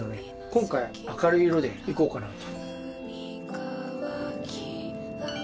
今回明るい色でいこうかなと。